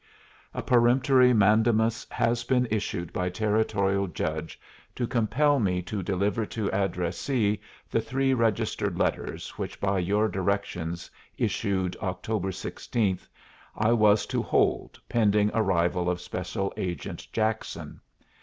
A peremptory mandamus has been issued by Territorial judge to compel me to deliver to addressee the three registered letters which by your directions, issued October sixteenth, I was to hold pending arrival of special agent Jackson.